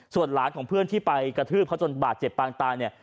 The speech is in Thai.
ส่วนหลานของเพื่อนที่ไปกระทืบเขาจนบาดเจ็บปางตายเนี่ย